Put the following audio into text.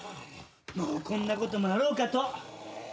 もうこんなこともあろうかと。よかった。